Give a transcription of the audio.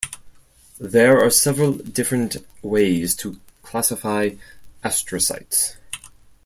There are several different ways to classify astrocytes.